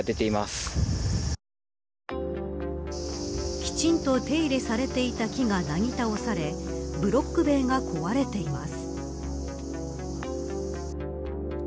きちんと手入れされていた木がなぎ倒されブロック塀が壊れています。